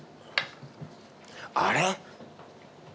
あれ？